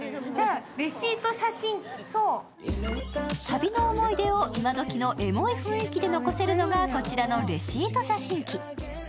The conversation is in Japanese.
旅の思い出を今どきのエモい雰囲気で残せるのがこちらのレシート写真機。